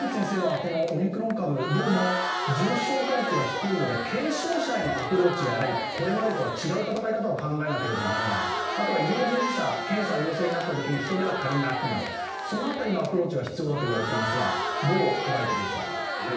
オミクロン株、どうも重症化率が低いので軽症者へのアプローチがこれまでと違う闘いかたを考えなければならない、あと医療従事者、人出が足りなくなる、その辺りのアプローチは必要だとされていますが、どう捉えていますか？